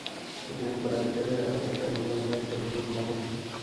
প্রতিদিন বেলা দুইটা থেকে রাত আটটা পর্যন্ত মেলার স্টলগুলো খোলা থাকবে।